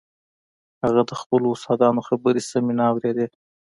هغه د خپلو استادانو خبرې سمې نه اورېدې.